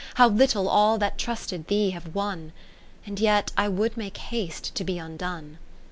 How little all that trusted thee have won : And yet I would make haste to be undone.